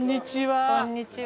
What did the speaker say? こんにちは。